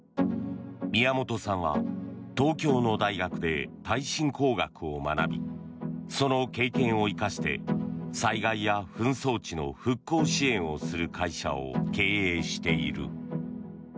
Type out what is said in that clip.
宮本さんは東京の大学で耐震工学を学びその経験を生かして災害や紛争地の復興支援をする会社を経営している。